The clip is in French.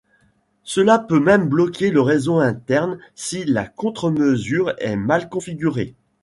Cela peut même bloquer le réseau interne si la contre-mesure est mal configurée.